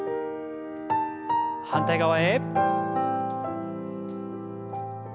反対側へ。